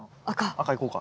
赤いこうか。